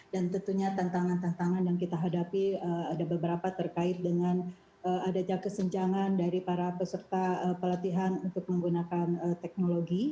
dan tentunya tantangan tantangan yang kita hadapi ada beberapa terkait dengan ada kesenjangan dari para peserta pelatihan untuk menggunakan teknologi